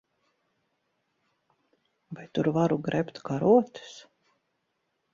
Vai tur varu grebt karotes?